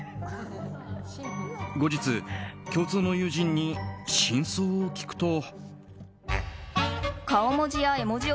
後日、共通の友人に真相を聞くと。